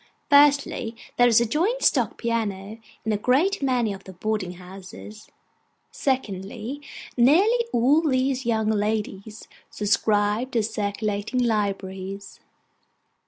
Firstly, there is a joint stock piano in a great many of the boarding houses. Secondly, nearly all these young ladies subscribe to circulating libraries.